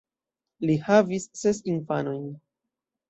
Li havis ses infanojn.